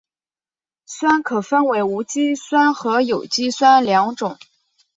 酸可分为无机酸和有机酸两种。